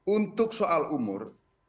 untuk soal umur